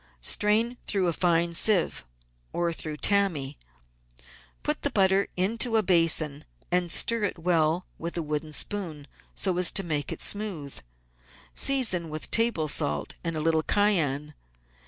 Strain through a fine sieve or through tammy, put the butter into a basin, and stir it well with a wooden spoon so as to make it smooth. Season with table salt and a little cayenne.